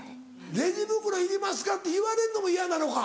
レジ袋いりますか？って言われるのも嫌なのか。